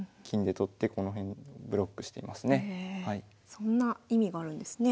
そんな意味があるんですね。